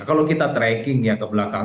kalau kita tracking ya ke belakang